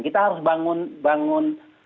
kita harus bangun